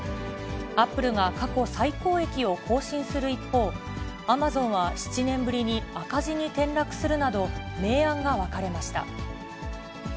アップルが過去最高益を更新する一方、アマゾンは７年ぶりに赤字に転落するなど、明暗が分かれました。